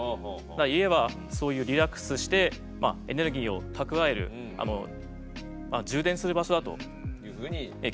家はそういうリラックスしてエネルギーを蓄える充電する場所だと気が付いて。